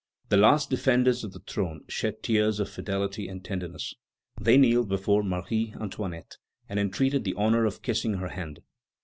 The last defenders of the throne shed tears of fidelity and tenderness. They kneeled before Marie Antoinette, and entreated the honor of kissing her hand.